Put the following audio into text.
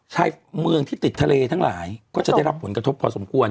ชายเมืองที่ติดทะเลทั้งหลายก็จะได้รับผลกระทบพอสมควร